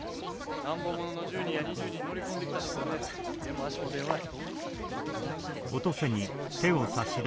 乱暴者の１０人や２０人乗り込んできたところで手も足も出んわい。